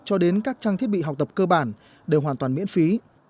cho đến các trang thiết bị học tập cơ bản đều hoàn toàn miễn phí